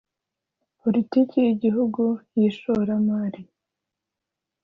politiki y Igihugu y ishoramari